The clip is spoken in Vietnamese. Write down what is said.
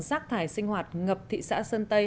rác thải sinh hoạt ngập thị xã sơn tây